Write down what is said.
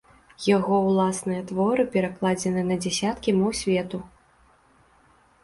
Яго ўласныя творы перакладзены на дзясяткі моў свету.